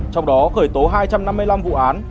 trong đó khởi tố hai trăm năm mươi năm vụ án